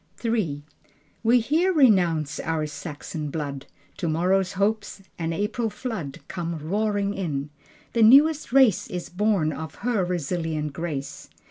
III We here renounce our Saxon blood. Tomorrow's hopes, an April flood Come roaring in. The newest race Is born of her resilient grace.